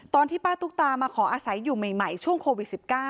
ตอนที่ป้าตุ๊กตามาขออาศัยอยู่ใหม่ช่วงโควิด๑๙